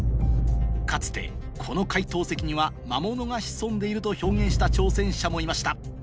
かつてこの解答席には魔物が潜んでいると表現した挑戦者もいました